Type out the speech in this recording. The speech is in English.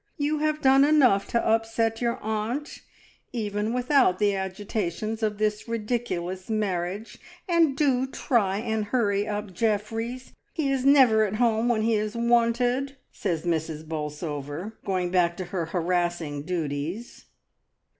You have done enough to upset your aunt, even without the agitations of this ridiculous marriage, and do try and hurry up Jeffries. He is never at home when he is wanted," says Mrs. Bolsover, going back to her harassing duties.